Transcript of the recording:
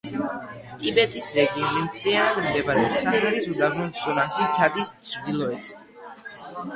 ტიბესტის რეგიონი მთლიანად მდებარეობს საჰარის უდაბნოს ზონაში ჩადის ჩრდილოეთით.